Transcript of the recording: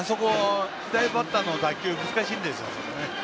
左バッターの打球難しいんですよね。